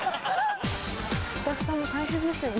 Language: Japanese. スタッフさんも大変ですよね。